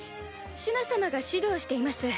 シュナ様が指導しています。